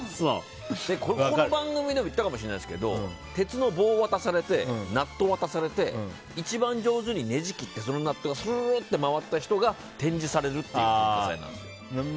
この番組でも言ったかもしれないですけど鉄の棒を渡されてナットを渡されて一番上手にねじ切ってそのナットがするって回った人が展示されるっていう文化祭なんです。